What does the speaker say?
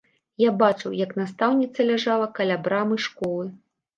Я бачыў, як настаўніца ляжала каля брамы школы.